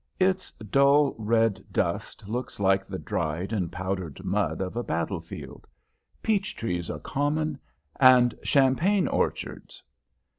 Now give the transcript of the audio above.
Its dull red dust looks like the dried and powdered mud of a battle field. Peach trees are common, and champagne orchards.